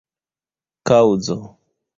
kaŭzo